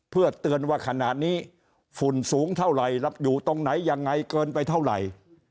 เพื่อเตือนว่าขณะนี้ฝุ่นสูงเท่าไหร่รับอยู่ตรงไหนยังไงเกินไปเท่าไหร่